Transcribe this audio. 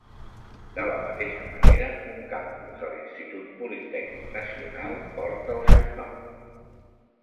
De la mateixa manera, un campus de l'Institut Politècnic Nacional, porta el seu nom.